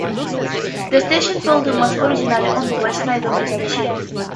The station building was originally on the west side of the station.